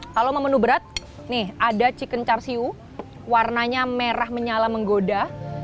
kalau menu berat nih ada chicken char siu warnanya merah menyala menggoda